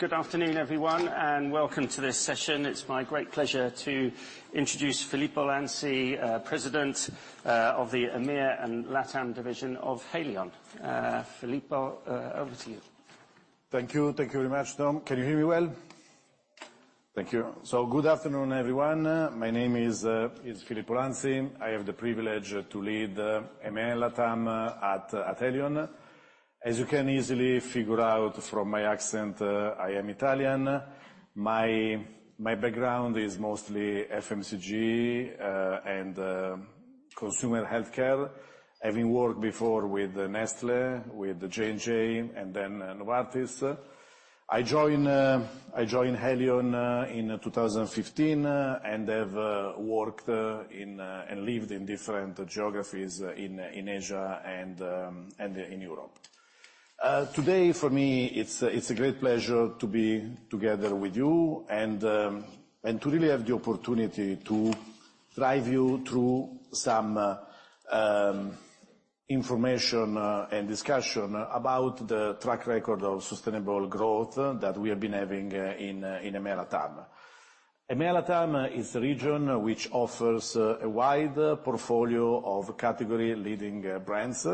Good afternoon, everyone, and welcome to this session. It's my great pleasure to introduce Filippo Lanzi, President, of the EMEA and LATAM division of Haleon. Filippo, over to you. Thank you. Thank you very much, Tom. Can you hear me well? Thank you. Good afternoon, everyone. My name is Filippo Lanzi. I have the privilege to lead EMEA, LATAM at Haleon. As you can easily figure out from my accent, I am Italian. My background is mostly FMCG and consumer healthcare, having worked before with Nestlé, with J&J, and then Novartis. I joined Haleon in 2015 and have worked in and lived in different geographies in Asia and in Europe. Today, for me, it's a great pleasure to be together with you and to really have the opportunity to drive you through some information and discussion about the track record of sustainable growth that we have been having in EMEA, LATAM. EMEA, LATAM is a region which offers a wide portfolio of category-leading brands.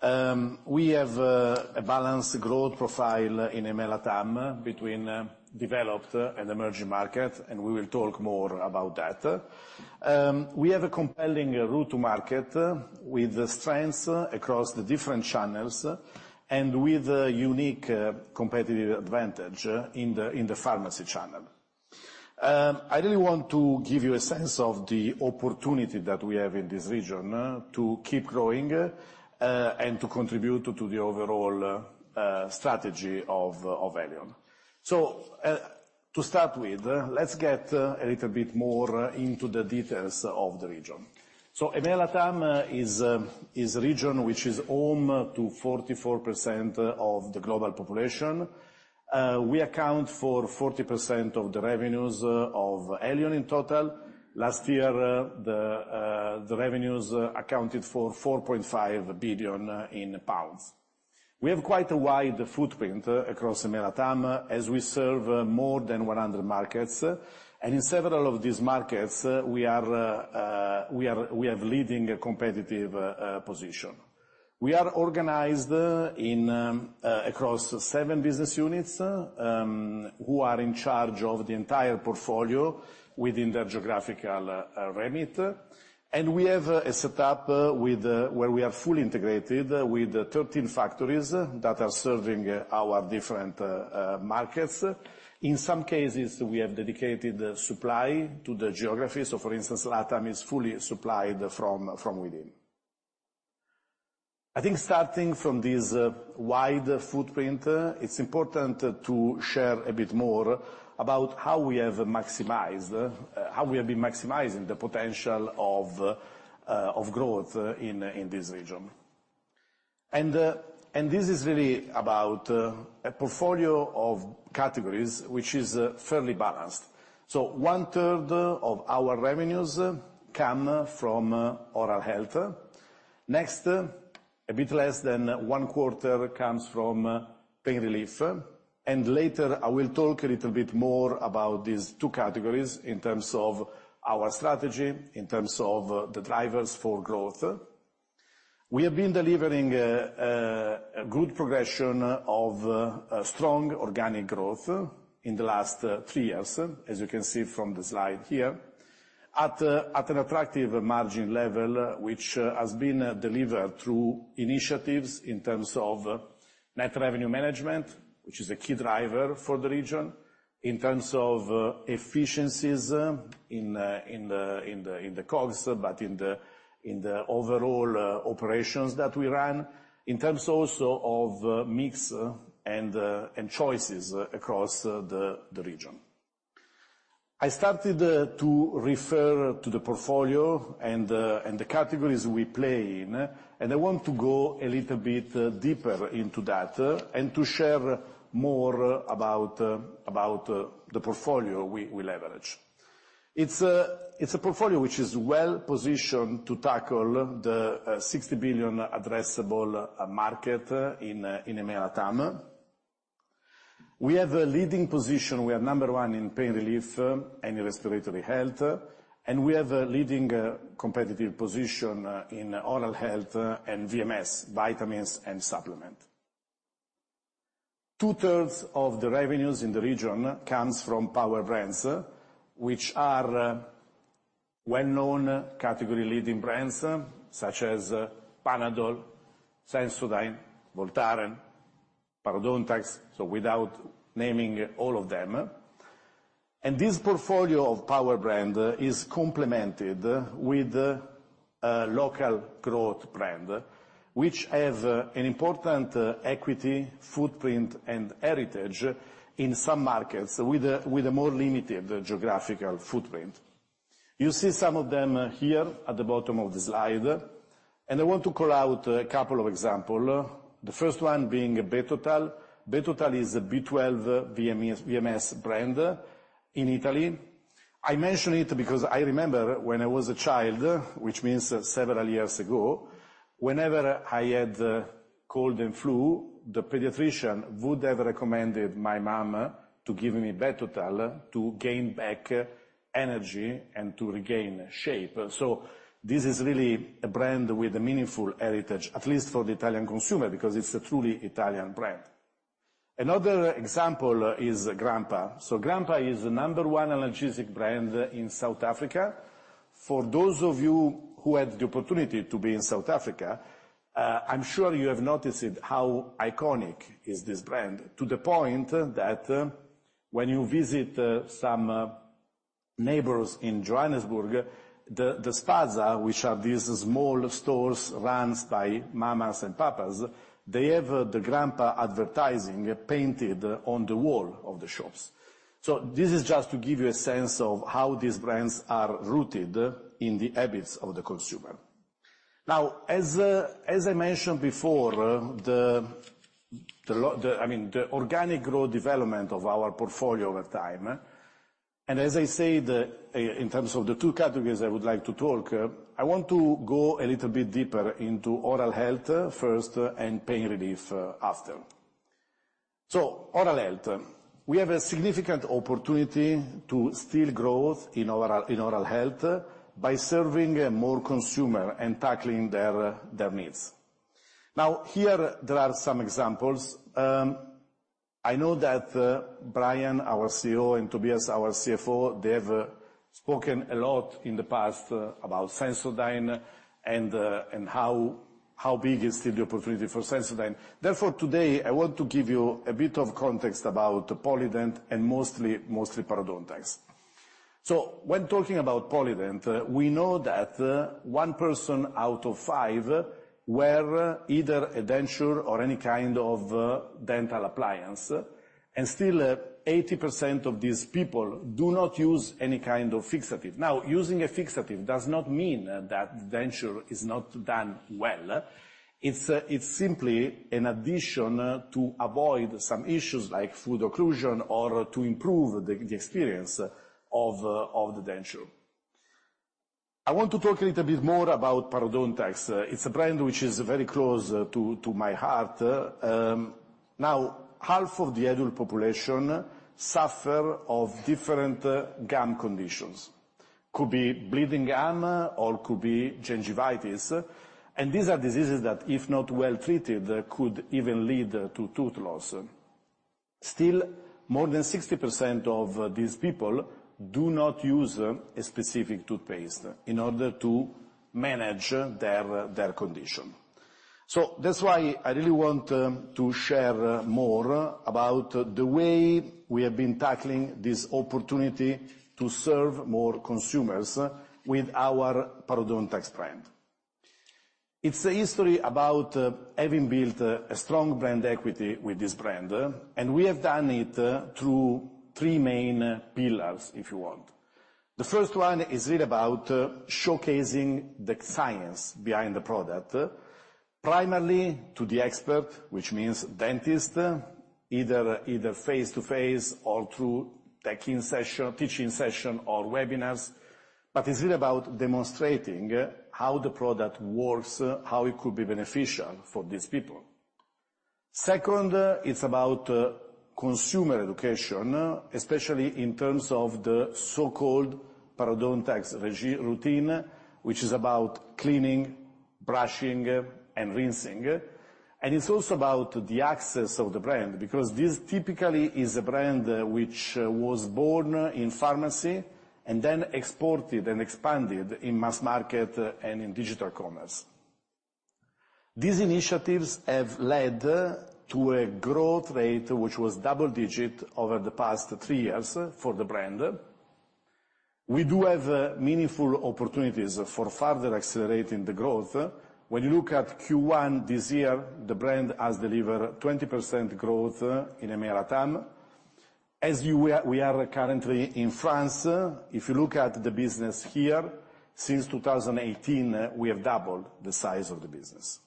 We have a balanced growth profile in EMEA, LATAM between developed and emerging market, and we will talk more about that. We have a compelling route to market with strengths across the different channels and with a unique competitive advantage in the pharmacy channel. I really want to give you a sense of the opportunity that we have in this region to keep growing and to contribute to the overall strategy of Haleon. So, to start with, let's get a little bit more into the details of the region. EMEA, LATAM is a region which is home to 44% of the global population. We account for 40% of the revenues of Haleon in total. Last year, the revenues accounted for 4.5 billion pounds. We have quite a wide footprint across EMEA, LATAM, as we serve more than 100 markets, and in several of these markets, we are, we have leading competitive position. We are organized across seven business units, who are in charge of the entire portfolio within their geographical remit. We have a setup where we are fully integrated with 13 factories that are serving our different markets. In some cases, we have dedicated supply to the geography. So for instance, LATAM is fully supplied from within. I think starting from this wide footprint, it's important to share a bit more about how we have been maximizing the potential of growth in this region. And this is really about a portfolio of categories, which is fairly balanced. So one-third of our revenues come from oral health. Next, a bit less than one quarter comes from pain relief, and later, I will talk a little bit more about these two categories in terms of our strategy, in terms of the drivers for growth. We have been delivering a good progression of strong organic growth in the last three years, as you can see from the slide here, at an attractive margin level, which has been delivered through initiatives in terms of net revenue management, which is a key driver for the region. In terms of efficiencies in the COGS, but in the overall operations that we run, in terms also of mix and choices across the region. I started to refer to the portfolio and the categories we play in, and I want to go a little bit deeper into that and to share more about the portfolio we leverage. It's a portfolio which is well-positioned to tackle the 60 billion addressable market in EMEA, LATAM. We have a leading position. We are number one in pain relief and respiratory health, and we have a leading competitive position in oral health and VMS, vitamins and supplement. Two-thirds of the revenues in the region comes from power brands, which are well-known, category-leading brands, such as Panadol, Sensodyne, Voltaren, Parodontax, so without naming all of them. This portfolio of power brand is complemented with local growth brand, which have an important equity, footprint, and heritage in some markets, with a more limited geographical footprint. You see some of them here at the bottom of the slide, and I want to call out a couple of example. The first one being Be-Total. Be-Total is a B12 VMS, VMS brand in Italy.... I mention it because I remember when I was a child, which means several years ago, whenever I had cold and flu, the pediatrician would have recommended my mom to give me Be-Total to gain back energy and to regain shape. So this is really a brand with a meaningful heritage, at least for the Italian consumer, because it's a truly Italian brand. Another example is Grand-Pa. So Grand-Pa is the number one analgesic brand in South Africa. For those of you who had the opportunity to be in South Africa, I'm sure you have noticed how iconic is this brand, to the point that, when you visit, some neighbors in Johannesburg, the spaza, which are these small stores run by mamas and papas, they have the Grand-Pa advertising painted on the wall of the shops. So this is just to give you a sense of how these brands are rooted in the habits of the consumer. Now, as I mentioned before, I mean, the organic growth development of our portfolio over time, and as I said, in terms of the two categories I would like to talk, I want to go a little bit deeper into oral health first and pain relief after. So oral health. We have a significant opportunity to still growth in oral health by serving more consumer and tackling their needs. Now, here there are some examples. I know that Brian, our CEO, and Tobias, our CFO, they have spoken a lot in the past about Sensodyne and how big is still the opportunity for Sensodyne. Therefore, today, I want to give you a bit of context about Polident, and mostly, mostly Parodontax. So when talking about Polident, we know that one person out of five wear either a denture or any kind of dental appliance, and still 80% of these people do not use any kind of fixative. Now, using a fixative does not mean that the denture is not done well. It's, it's simply an addition to avoid some issues like food occlusion or to improve the, the experience of the denture. I want to talk a little bit more about Parodontax. It's a brand which is very close to, to my heart. Now, half of the adult population suffer of different gum conditions. Could be bleeding gum, or could be gingivitis, and these are diseases that, if not well treated, could even lead to tooth loss. Still, more than 60% of these people do not use a specific toothpaste in order to manage their condition. So that's why I really want to share more about the way we have been tackling this opportunity to serve more consumers with our Parodontax brand. It's a history about having built a strong brand equity with this brand, and we have done it through three main pillars, if you want. The first one is really about showcasing the science behind the product, primarily to the expert, which means dentist, either face-to-face or through technical session or webinars, but it's really about demonstrating how the product works, how it could be beneficial for these people. Second, it's about consumer education, especially in terms of the so-called Parodontax routine, which is about cleaning, brushing, and rinsing. It's also about the access of the brand, because this typically is a brand which was born in pharmacy and then exported and expanded in mass market and in digital commerce. These initiatives have led to a growth rate, which was double-digit over the past three years for the brand. We do have meaningful opportunities for further accelerating the growth. When you look at Q1 this year, the brand has delivered 20% growth in EMEA LATAM. As we are currently in France, if you look at the business here, since 2018, we have doubled the size of the business.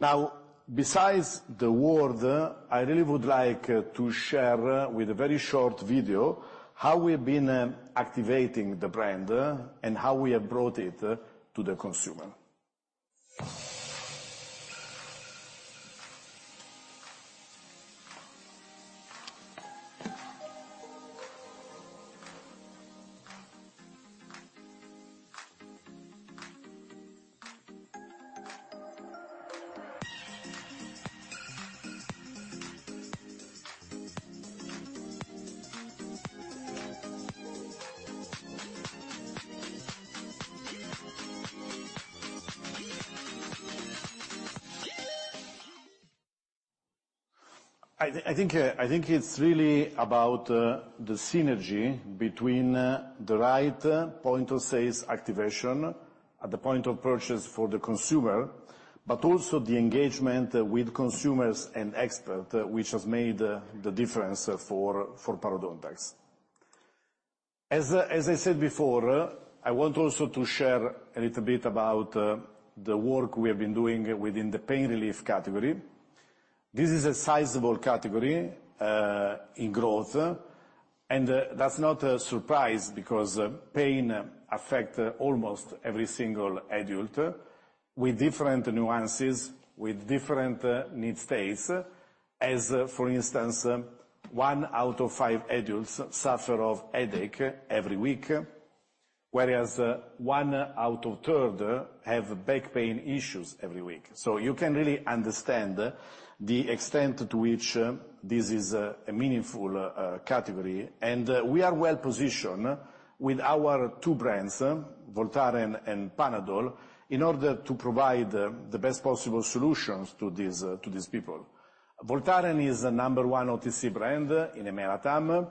Now, besides the word, I really would like to share with a very short video how we've been activating the brand, and how we have brought it to the consumer. I think it's really about the synergy between the right point of sales activation at the point of purchase for the consumer, but also the engagement with consumers and expert, which has made the difference for Parodontax. As I said before, I want also to share a little bit about the work we have been doing within the pain relief category. This is a sizable category in growth, and that's not a surprise because pain affect almost every single adult, with different nuances, with different need states. For instance, one out of five adults suffer of headache every week, whereas one out of three have back pain issues every week. So you can really understand the extent to which this is a meaningful category, and we are well positioned with our two brands, Voltaren and Panadol, in order to provide the best possible solutions to these people. Voltaren is the number one OTC brand in EMEA LATAM.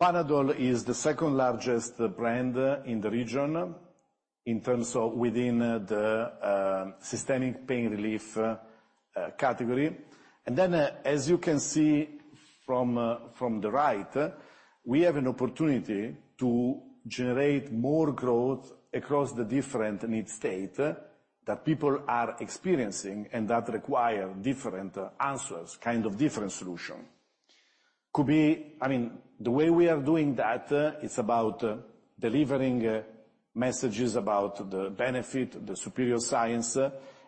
Panadol is the second largest brand in the region in terms of within the systemic pain relief category. And then as you can see from the right, we have an opportunity to generate more growth across the different need state that people are experiencing and that require different answers, kind of different solution. I mean, the way we are doing that, it's about delivering messages about the benefit, the superior science.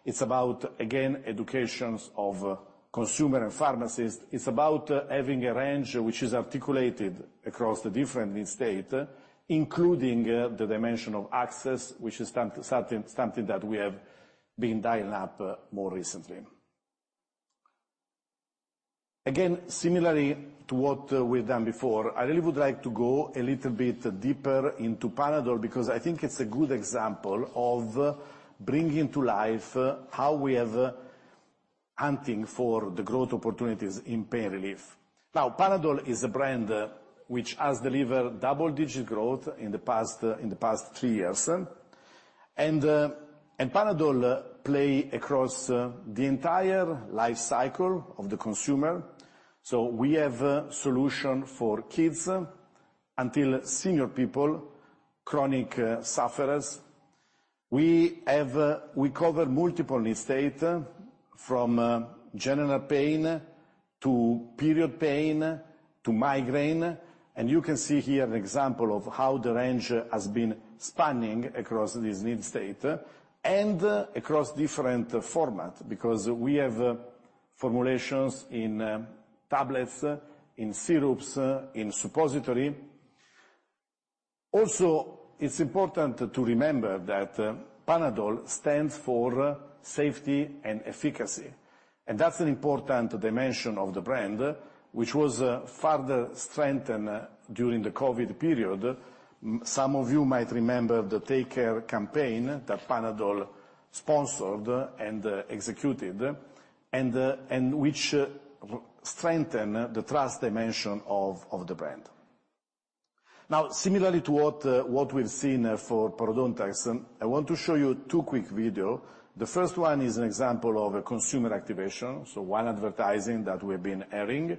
It's about, again, educations of consumer and pharmacist. It's about having a range which is articulated across the different need state, including the dimension of access, which is something that we have been dialing up more recently. Again, similarly to what we've done before, I really would like to go a little bit deeper into Panadol, because I think it's a good example of bringing to life how we have hunting for the growth opportunities in pain relief. Now, Panadol is a brand which has delivered double-digit growth in the past, in the past three years. And, and Panadol play across the entire life cycle of the consumer, so we have solution for kids until senior people, chronic sufferers. We have... We cover multiple need states, from general pain to period pain to migraine, and you can see here an example of how the range has been spanning across this need state and across different formats, because we have formulations in tablets, in syrups, in suppositories. Also, it's important to remember that Panadol stands for safety and efficacy, and that's an important dimension of the brand, which was further strengthened during the COVID period. Some of you might remember the Take Care campaign that Panadol sponsored and executed, and which strengthen the trust dimension of the brand. Now, similarly to what we've seen for Parodontax, I want to show you two quick videos. The first one is an example of a consumer activation, so one advertising that we've been airing.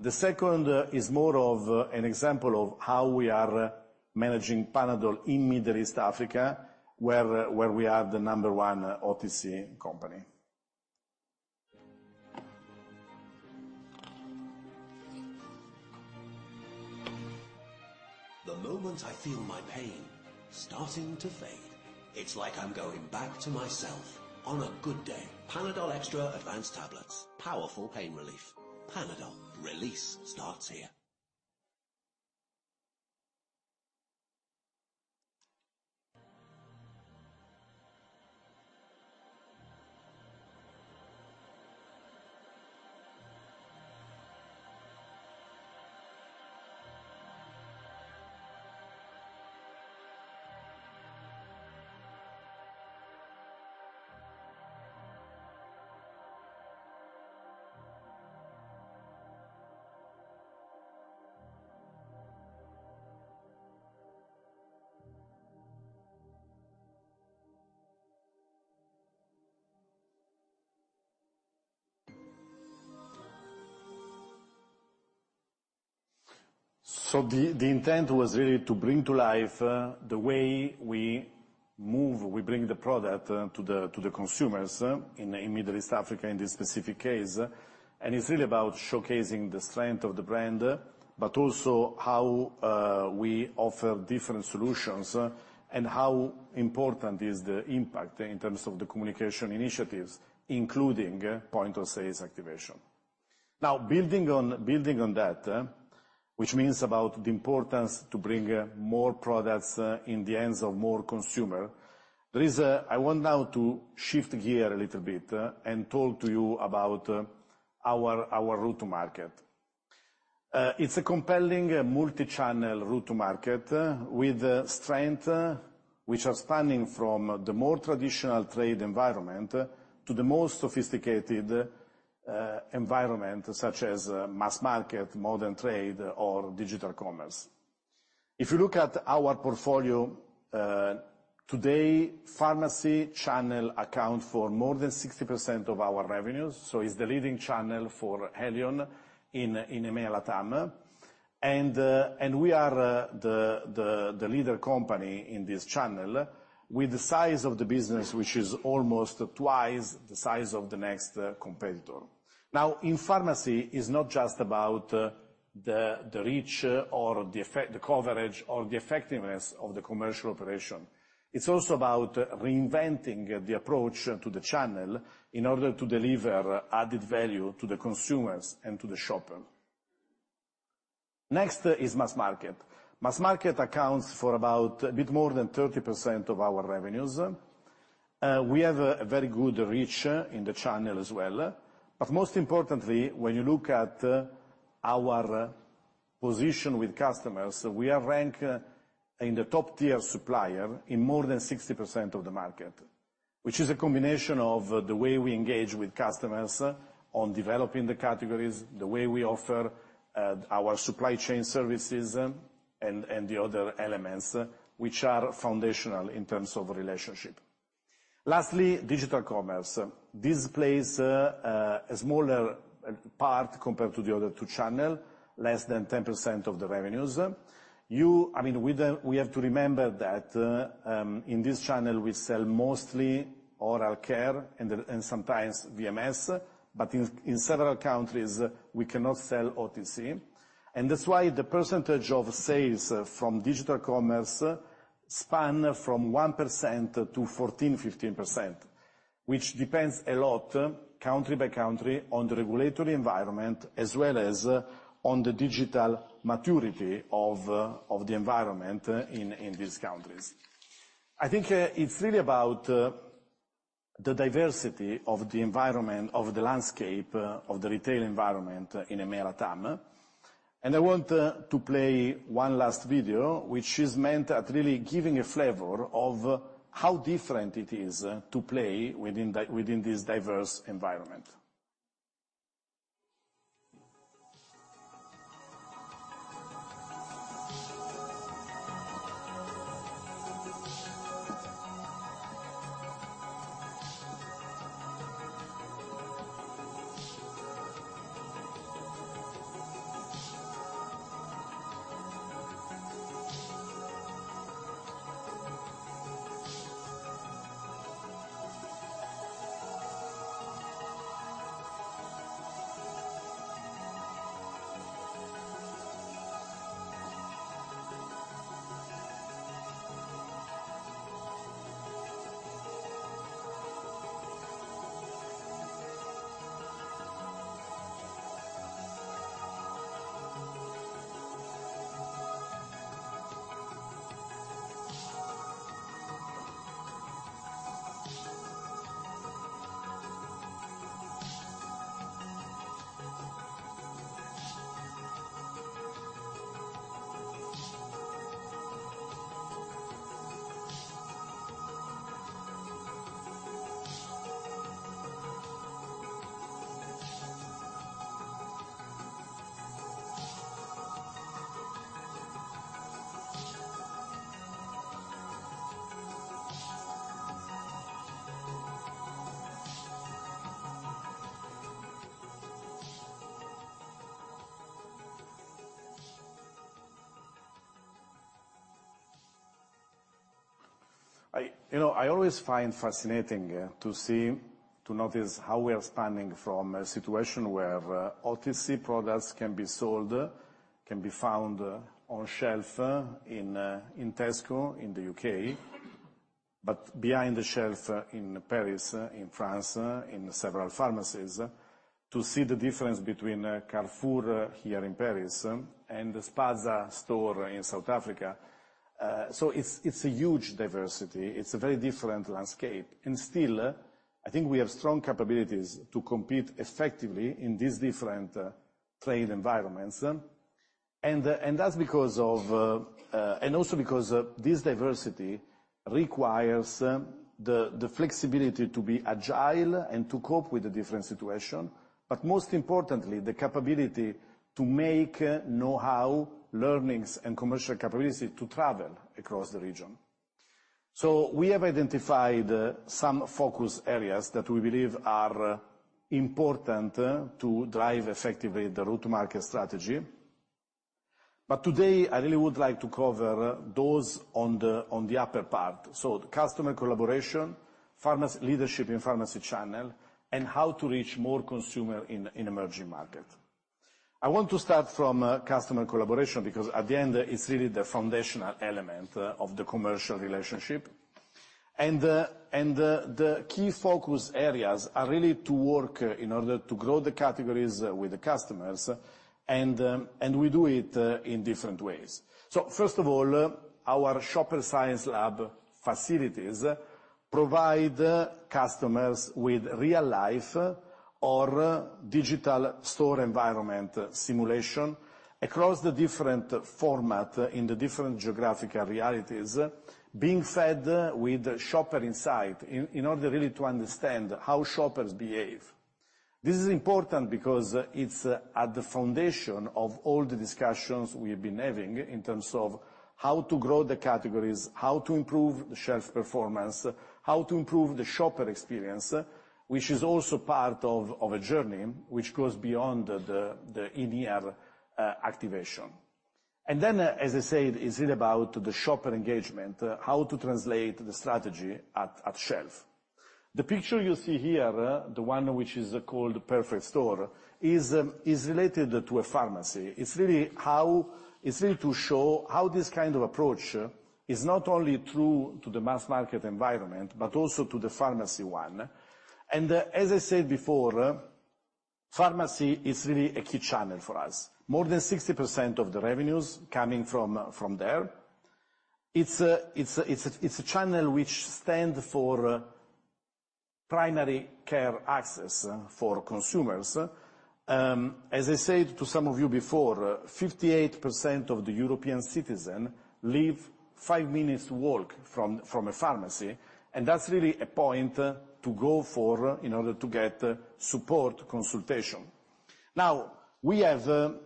The second is more of an example of how we are managing Panadol in Middle East and Africa, where we are the number one OTC company. The moment I feel my pain starting to fade, it's like I'm going back to myself on a good day. Panadol Extra Advance Tablets, powerful pain relief. Panadol, release starts here. So the intent was really to bring to life the way we move, we bring the product to the consumers in Middle East and Africa, in this specific case. It's really about showcasing the strength of the brand, but also how we offer different solutions and how important is the impact in terms of the communication initiatives, including point of sales activation. Now, building on that, which means about the importance to bring more products in the hands of more consumer, there is a... I want now to shift gear a little bit and talk to you about our go-to-market. It's a compelling multi-channel go-to-market, with strength which are spanning from the more traditional trade environment to the more sophisticated environment, such as mass market, modern trade, or digital commerce. If you look at our portfolio today, pharmacy channel accounts for more than 60% of our revenues, so it's the leading channel for Haleon in EMEA, LATAM. And we are the leader company in this channel, with the size of the business, which is almost twice the size of the next competitor. Now, in pharmacy, it's not just about the reach or the effect, the coverage, or the effectiveness of the commercial operation. It's also about reinventing the approach to the channel in order to deliver added value to the consumers and to the shopper. Next is mass market. Mass market accounts for about a bit more than 30% of our revenues. We have a very good reach in the channel as well, but most importantly, when you look at our position with customers, we are ranked in the top-tier supplier in more than 60% of the market, which is a combination of the way we engage with customers on developing the categories, the way we offer our supply chain services, and the other elements, which are foundational in terms of relationship. Lastly, digital commerce. This plays a smaller part compared to the other two channel, less than 10% of the revenues. I mean, we then. We have to remember that, in this channel, we sell mostly oral care and sometimes VMS, but in several countries, we cannot sell OTC. And that's why the percentage of sales from digital commerce span from 1% to 14%-15%, which depends a lot, country by country, on the regulatory environment, as well as on the digital maturity of the environment in these countries. I think, it's really about the diversity of the environment, of the landscape, of the retail environment in EMEA and LATAM. And I want to play one last video, which is meant at really giving a flavor of how different it is to play within within this diverse environment. I... You know, I always find fascinating to see, to notice how we are spanning from a situation where OTC products can be sold, can be found on shelf in Tesco, in the U.K., but behind the shelf in Paris, in France, in several pharmacies, to see the difference between Carrefour here in Paris and the Spar store in South Africa. So it's a huge diversity. It's a very different landscape, and still, I think we have strong capabilities to compete effectively in these different trade environments. And that's because of, and also because, this diversity requires the flexibility to be agile and to cope with the different situation, but most importantly, the capability to make know-how, learnings, and commercial capability to travel across the region. So we have identified some focus areas that we believe are important to drive effectively the route to market strategy. But today, I really would like to cover those on the upper part, so customer collaboration, pharmacist leadership in Pharmacy Channel, and how to reach more consumer in emerging market. I want to start from customer collaboration, because at the end, it's really the foundational element of the commercial relationship. And the key focus areas are really to work in order to grow the categories with the customers, and we do it in different ways. So first of all, our Shopper Science Lab facilities provide customers with real-life or digital store environment simulation across the different format, in the different geographical realities, being fed with shopper insight, in order really to understand how shoppers behave. This is important because it's at the foundation of all the discussions we've been having in terms of how to grow the categories, how to improve the shelf performance, how to improve the shopper experience, which is also part of a journey which goes beyond the in-ear activation. And then, as I said, it's really about the shopper engagement, how to translate the strategy at shelf. The picture you see here, the one which is called Perfect Store, is related to a pharmacy. It's really to show how this kind of approach is not only true to the Mass Market environment, but also to the pharmacy one. And, as I said before, pharmacy is really a key channel for us. More than 60% of the revenues coming from there. It's a channel which stands for primary care access for consumers. As I said to some of you before, 58% of the European citizen live five minutes walk from a pharmacy, and that's really a point to go for in order to get support consultation. Now, we have a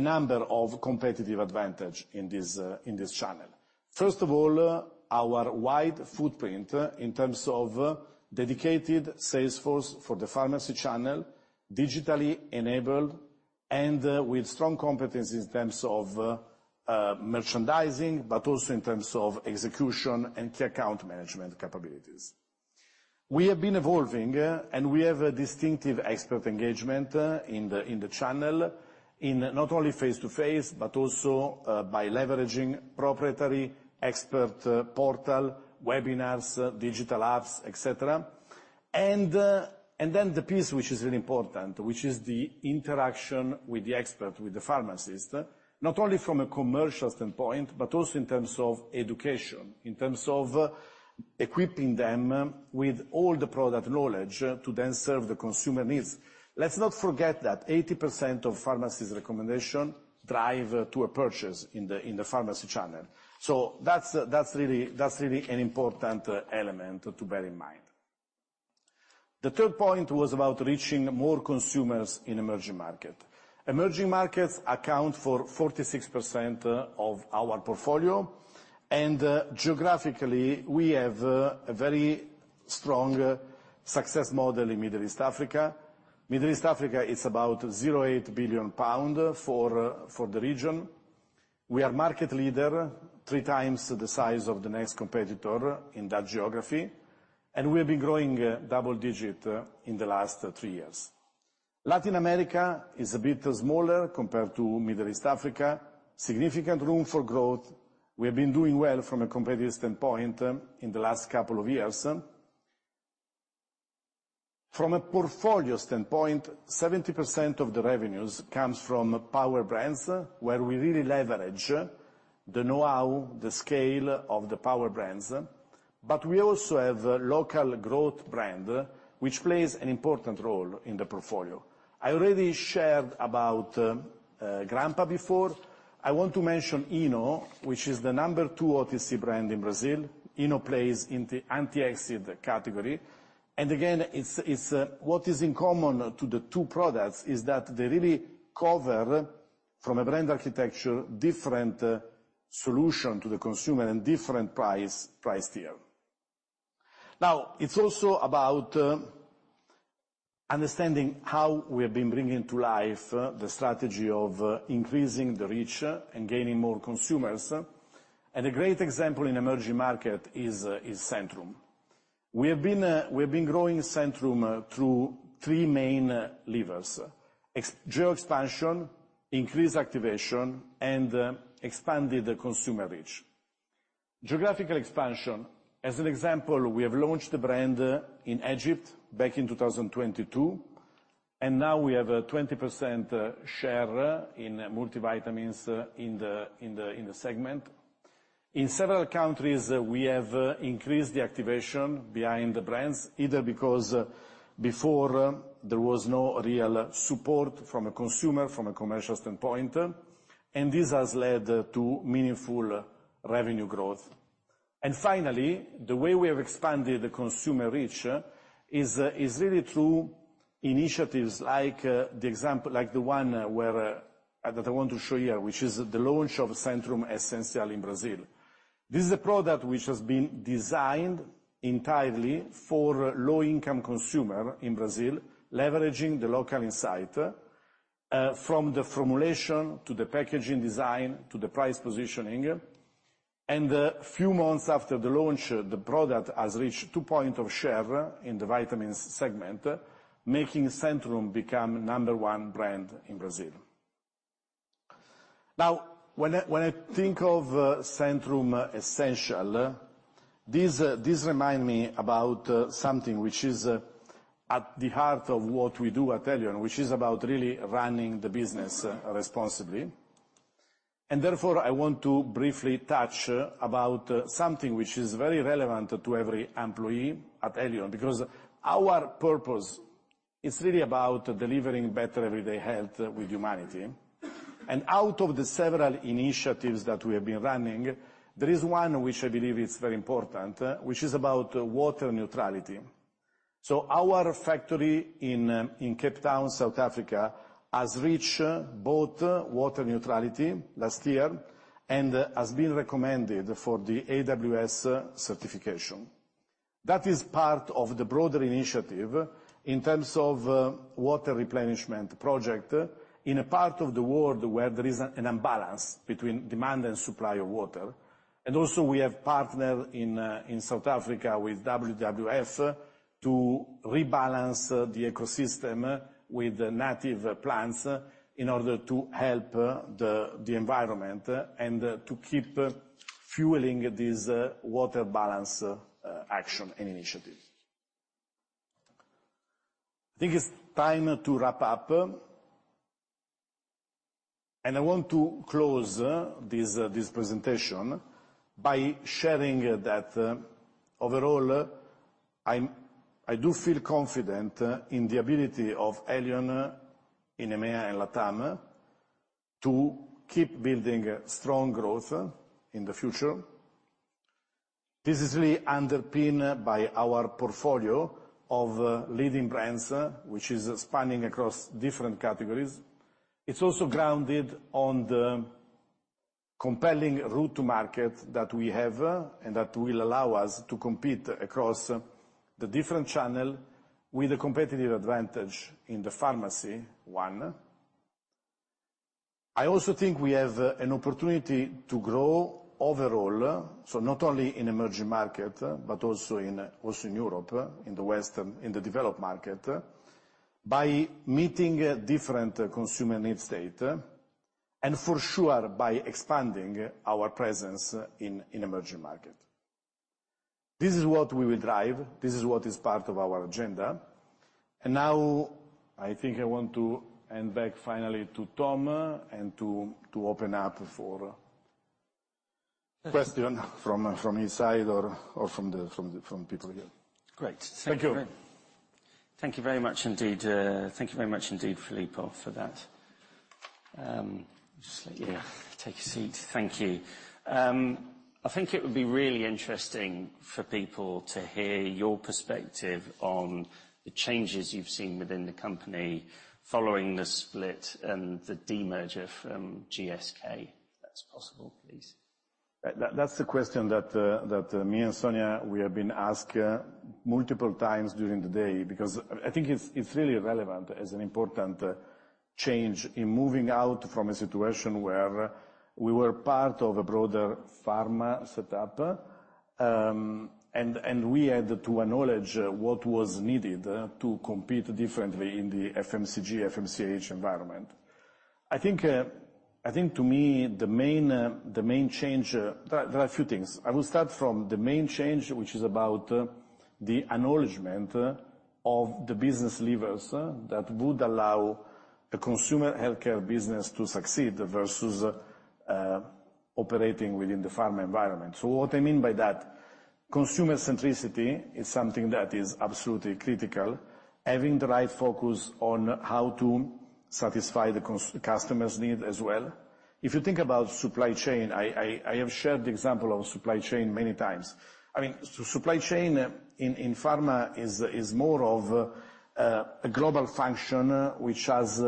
number of competitive advantage in this channel. First of all, our wide footprint in terms of dedicated sales force for the pharmacy channel, digitally enabled, and with strong competencies in terms of merchandising, but also in terms of execution and key account management capabilities. We have been evolving, and we have a distinctive expert engagement in the channel, in not only face-to-face, but also by leveraging proprietary expert portal, webinars, digital apps, et cetera. And then the piece, which is really important, which is the interaction with the expert, with the pharmacist, not only from a commercial standpoint, but also in terms of education, in terms of equipping them with all the product knowledge to then serve the consumer needs. Let's not forget that 80% of pharmacist recommendation drive to a purchase in the, in the pharmacy channel, so that's, that's really, that's really an important element to bear in mind. The third point was about reaching more consumers in emerging market. Emerging markets account for 46% of our portfolio, and, geographically, we have a very strong success model in Middle East Africa. Middle East Africa, it's about 0.8 billion pounds for the region. We are market leader, three times the size of the next competitor in that geography, and we have been growing double-digit in the last three years. Latin America is a bit smaller compared to Middle East Africa. Significant room for growth. We have been doing well from a competitive standpoint in the last couple of years. From a portfolio standpoint, 70% of the revenues comes from power brands, where we really leverage the know-how, the scale of the power brands, but we also have local growth brand, which plays an important role in the portfolio. I already shared about Grand-Pa before. I want to mention Eno, which is the number two OTC brand in Brazil. Eno plays in the antacid category, and again, it's... What is in common to the two products is that they really cover, from a brand architecture, different solution to the consumer and different price, price tier. Now, it's also about understanding how we have been bringing to life the strategy of increasing the reach and gaining more consumers, and a great example in emerging market is Centrum. We have been growing Centrum through three main levers: geo expansion, increased activation, and expanded the consumer reach. Geographical expansion, as an example, we have launched the brand in Egypt back in 2022, and now we have a 20% share in multivitamins in the segment. In several countries, we have increased the activation behind the brands, either because before there was no real support from a consumer, from a commercial standpoint, and this has led to meaningful revenue growth. And finally, the way we have expanded the consumer reach is really through initiatives like the example, like the one where that I want to show you, which is the launch of Centrum Essencial in Brazil. This is a product which has been designed entirely for low-income consumer in Brazil, leveraging the local insight from the formulation to the packaging design, to the price positioning, and a few months after the launch, the product has reached 2% share in the vitamins segment, making Centrum become number one brand in Brazil. Now, when I, when I think of Centrum Essencial, this, this reminds me about something which is at the heart of what we do at Haleon, and which is about really running the business responsibly. Therefore, I want to briefly touch about something which is very relevant to every employee at Haleon, because our purpose is really about delivering better everyday health with humanity. Out of the several initiatives that we have been running, there is one which I believe is very important, which is about water neutrality. So our factory in Cape Town, South Africa, has reached both water neutrality last year and has been recommended for the AWS certification. That is part of the broader initiative in terms of water replenishment project, in a part of the world where there is an imbalance between demand and supply of water. And also, we have partnered in South Africa with WWF to rebalance the ecosystem with native plants, in order to help the environment, and to keep fueling this water balance action and initiative. I think it's time to wrap up, and I want to close this presentation by sharing that, overall, I do feel confident in the ability of Haleon in EMEA and LATAM to keep building strong growth in the future. This is really underpinned by our portfolio of leading brands, which is spanning across different categories. It's also grounded on the compelling route to market that we have, and that will allow us to compete across the different channel, with a competitive advantage in the pharmacy one. I also think we have an opportunity to grow overall, so not only in emerging market, but also in Europe, in the West, in the developed market, by meeting different consumer needs state, and for sure, by expanding our presence in emerging market. This is what we will drive. This is what is part of our agenda, and now I think I want to hand back finally to Tom, and to open up for question from his side or from the people here. Great. Thank you. Thank you very much, indeed. Thank you very much indeed, Filippo, for that. Just let you take a seat. Thank you. I think it would be really interesting for people to hear your perspective on the changes you've seen within the company following the split and the de-merger from GSK, if that's possible, please. That's the question that me and Sonia, we have been asked multiple times during the day, because I think it's really relevant as an important change in moving out from a situation where we were part of a broader pharma setup, and we had to acknowledge what was needed to compete differently in the FMCG, FMCH environment. I think to me, the main change... There are a few things. I will start from the main change, which is about the acknowledgment of the business levers that would allow a consumer healthcare business to succeed versus operating within the pharma environment. So what I mean by that, consumer centricity is something that is absolutely critical, having the right focus on how to satisfy the customer's need as well. If you think about supply chain, I have shared the example of supply chain many times. I mean, supply chain in pharma is more of a global function, which has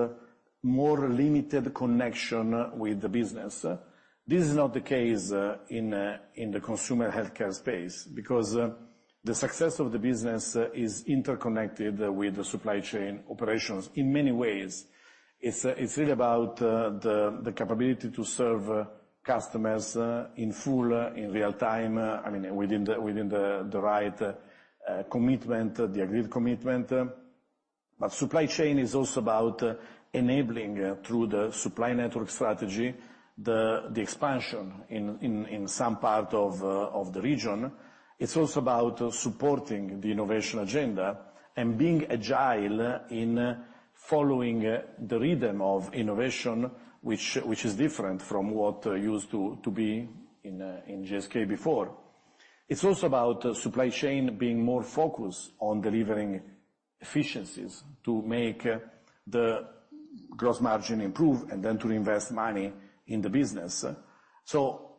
more limited connection with the business. This is not the case in the consumer healthcare space, because the success of the business is interconnected with the supply chain operations in many ways. It's really about the capability to serve customers in full, in real time, I mean, within the right commitment, the agreed commitment. But supply chain is also about enabling, through the supply network strategy, the expansion in some part of the region. It's also about supporting the innovation agenda and being agile in following the rhythm of innovation, which is different from what used to be in GSK before. It's also about supply chain being more focused on delivering efficiencies to make the gross margin improve, and then to invest money in the business. So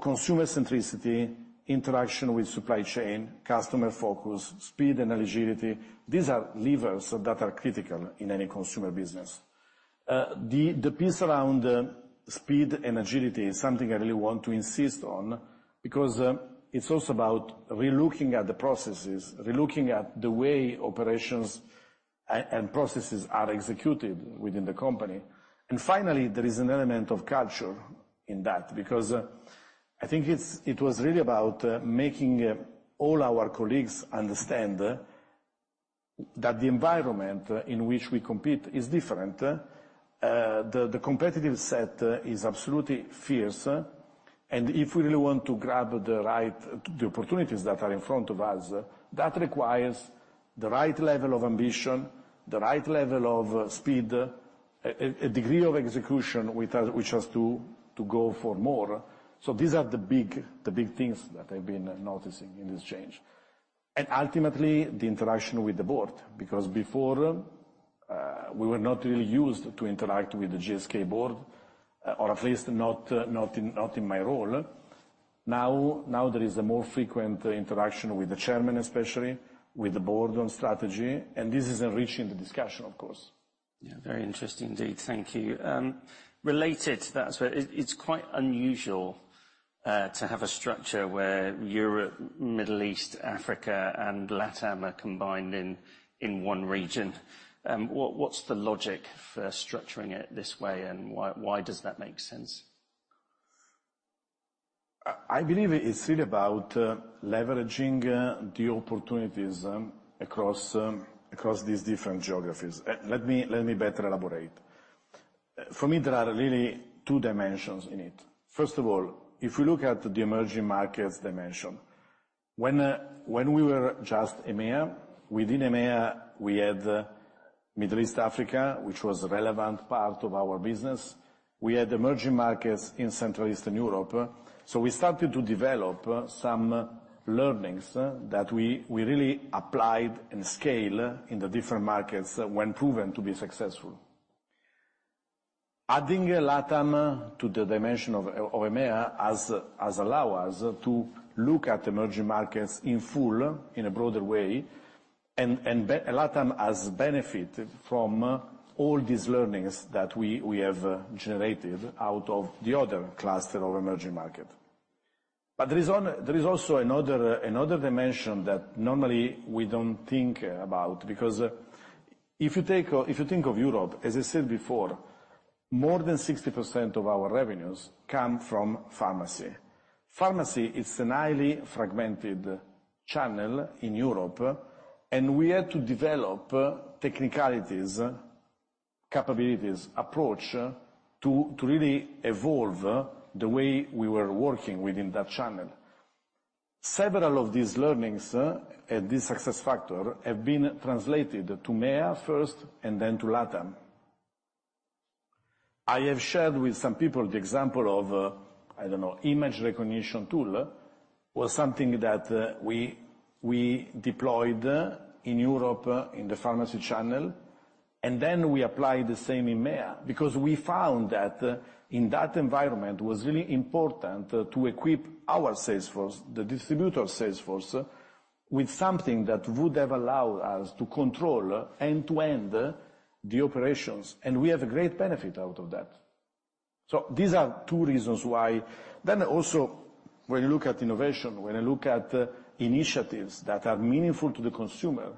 consumer centricity, interaction with supply chain, customer focus, speed and agility, these are levers that are critical in any consumer business. The piece around speed and agility is something I really want to insist on, because it's also about relooking at the processes, relooking at the way operations and processes are executed within the company. And finally, there is an element of culture in that, because I think it was really about making all our colleagues understand that the environment in which we compete is different. The competitive set is absolutely fierce, and if we really want to grab the right opportunities that are in front of us, that requires the right level of ambition, the right level of speed, a degree of execution, which has to go for more. So these are the big things that I've been noticing in this change. And ultimately, the interaction with the board, because before, we were not really used to interact with the GSK board, or at least not in my role. Now, now there is a more frequent interaction with the chairman, especially with the board on strategy, and this is enriching the discussion, of course.... Yeah, very interesting, indeed. Thank you. Related to that, but it's quite unusual to have a structure where Europe, Middle East, Africa, and LATAM are combined in one region. What's the logic for structuring it this way, and why does that make sense? I believe it's really about leveraging the opportunities across across these different geographies. Let me, let me better elaborate. For me, there are really two dimensions in it. First of all, if we look at the emerging markets dimension, when when we were just EMEA, within EMEA, we had Middle East and Africa, which was a relevant part of our business. We had emerging markets in Central and Eastern Europe, so we started to develop some learnings that we we really applied and scale in the different markets when proven to be successful. Adding LATAM to the dimension of EMEA has has allow us to look at emerging markets in full, in a broader way, and and LATAM has benefited from all these learnings that we we have generated out of the other cluster of emerging market. But there is also another dimension that normally we don't think about, because if you take or if you think of Europe, as I said before, more than 60% of our revenues come from pharmacy. Pharmacy is a highly fragmented channel in Europe, and we had to develop technicalities, capabilities, approach, to really evolve the way we were working within that channel. Several of these learnings and this success factor have been translated to MEA first, and then to LATAM. I have shared with some people the example of, I don't know, image recognition tool, was something that we deployed in Europe in the pharmacy channel, and then we applied the same in MEA. Because we found that in that environment, it was really important to equip our sales force, the distributor sales force, with something that would have allowed us to control end-to-end the operations, and we have a great benefit out of that. So these are two reasons why... Then also, when you look at innovation, when I look at initiatives that are meaningful to the consumer,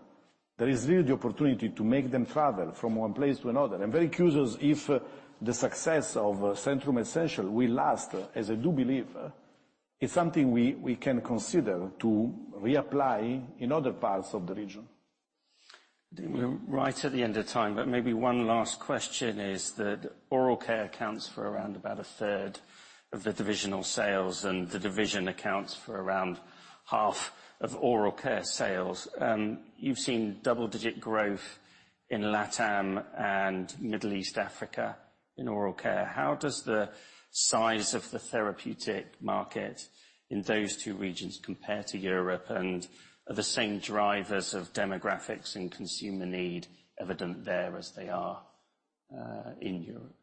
there is really the opportunity to make them travel from one place to another. I'm very curious if the success of Centrum Essencial will last, as I do believe, is something we, we can consider to reapply in other parts of the region. We're right at the end of time, but maybe one last question, is that Oral Care accounts for around about a third of the divisional sales, and the division accounts for around half of Oral Care sales. You've seen double-digit growth in LATAM and Middle East Africa in Oral Care. How does the size of the therapeutic market in those two regions compare to Europe, and are the same drivers of demographics and consumer need evident there as they are in Europe?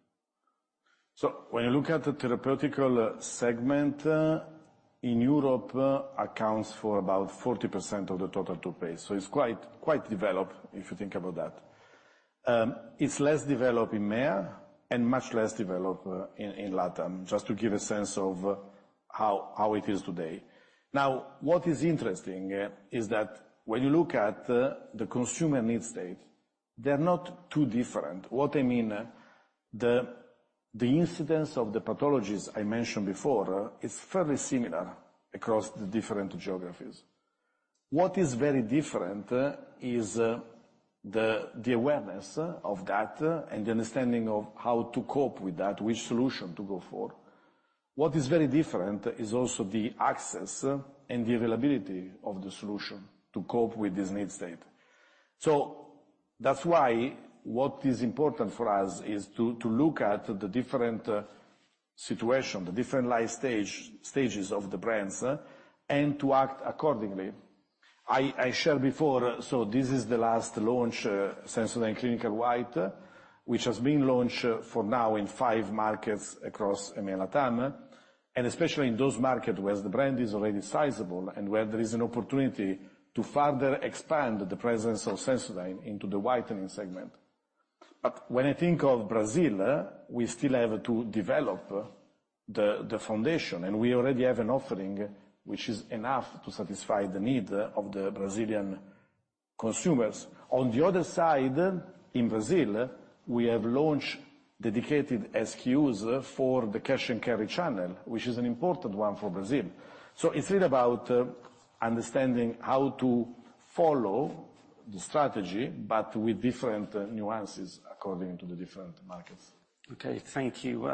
So when you look at the therapeutic segment in Europe, it accounts for about 40% of the total OTC. So it's quite, quite developed, if you think about that. It's less developed in MEA and much less developed in LATAM, just to give a sense of how it is today. Now, what is interesting is that when you look at the consumer need state, they're not too different. What I mean, the incidence of the pathologies I mentioned before, is fairly similar across the different geographies. What is very different is the awareness of that and the understanding of how to cope with that, which solution to go for. What is very different is also the access and the availability of the solution to cope with this need state. So that's why what is important for us is to look at the different situation, the different life stages of the brands, and to act accordingly. I shared before, so this is the last launch, Sensodyne Clinical White, which has been launched for now in five markets across EMEA, LATAM, and especially in those markets where the brand is already sizable, and where there is an opportunity to further expand the presence of Sensodyne into the whitening segment. But when I think of Brazil, we still have to develop the foundation, and we already have an offering, which is enough to satisfy the need of the Brazilian consumers. On the other side, in Brazil, we have launched dedicated SKUs for the cash and carry channel, which is an important one for Brazil. It's really about understanding how to follow the strategy, but with different nuances according to the different markets. Okay. Thank you.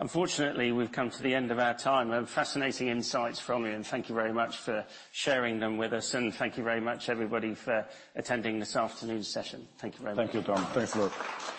Unfortunately, we've come to the end of our time. Fascinating insights from you, and thank you very much for sharing them with us, and thank you very much, everybody, for attending this afternoon's session. Thank you very much. Thank you, Tom. Thanks a lot.